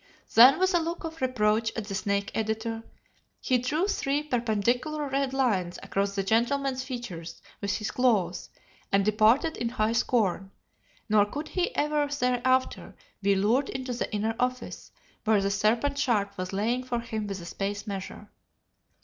Then with a look of reproach at the Snake Editor, he drew three perpendicular red lines across that gentleman's features with his claws and departed in high scorn, nor could he ever thereafter be lured into the inner office where the serpent sharp was laying for him with a space measure.